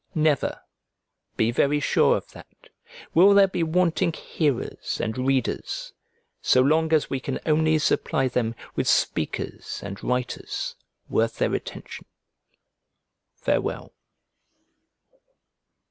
Never, be very sure of that, will there be wanting hearers and readers, so long as we can only supply them with speakers and writers worth their attention. Farewell.